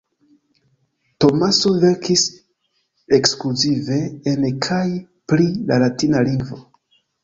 Tomaso verkis ekskluzive en kaj pri la latina lingvo.